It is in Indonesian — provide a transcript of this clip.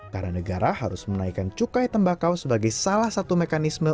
karena negara harus menaikkan cukai tembakau sebagai salah satu mekanisme